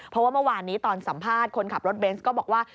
เพราะว่าเมื่อวานนี้ตอนสัมภาษณ์คนขับรถเบนส์ก็บอกว่า